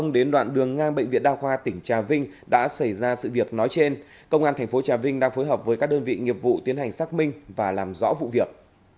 để đa khoa tỉnh trà vinh đã xảy ra sự việc nói trên công an tp hcm đang phối hợp với các đơn vị nghiệp vụ tiến hành xác minh và làm rõ vụ việc